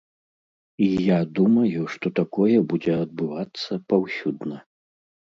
І я думаю, што такое будзе адбывацца паўсюдна.